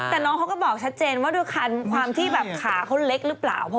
แต่น้องเขาก็บอกชัดเจนว่าด้วยคันความที่แบบขาเขาเล็กหรือเปล่า